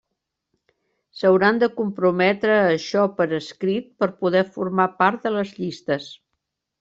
S'hauran de comprometre a això per escrit per poder formar part de les llistes.